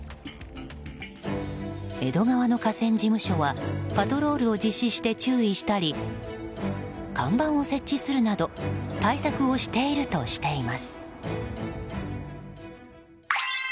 江戸川の河川事務所はパトロールを実施して注意したり看板を設置するなど対策をしているとしています。